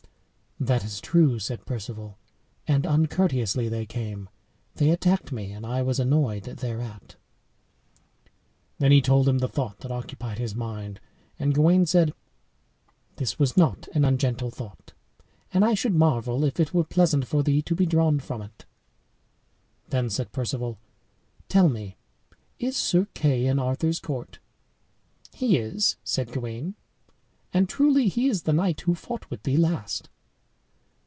"That is true," said Perceval; "and uncourteously they came. They attacked me, and I was annoyed thereat" Then he told him the thought that occupied his mind, and Gawain said, "This was not an ungentle thought, and I should marvel if it were pleasant for thee to be drawn from it." Then said Perceval, "Tell me, is Sir Kay in Arthur's court?" "He is," said Gawain; "and truly he is the knight who fought with thee last."